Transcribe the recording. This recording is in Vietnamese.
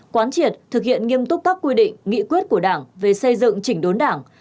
quán triệt thực hiện nghiêm túc các quy định nghị quyết của đảng về xây dựng chỉnh đốn đảng